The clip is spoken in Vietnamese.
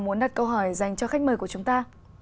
muốn đặt câu hỏi dành cho khách mời của chúng ta